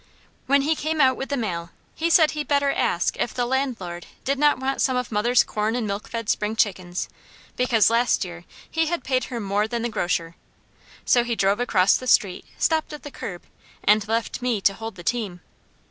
When he came out with the mail he said he better ask if the landlord did not want some of mother's corn and milk fed spring chickens, because last year he had paid her more than the grocer. So he drove across the street, stopped at the curb, and left me to hold the team.